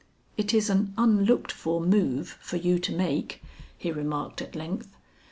"It is an unlooked for move for you to make," he remarked at length.